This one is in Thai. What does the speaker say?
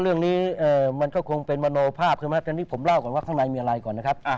เรื่องนี้มันก็คงเป็นมโนภาพใช่ไหมตอนนี้ผมเล่าก่อนว่าข้างในมีอะไรก่อนนะครับ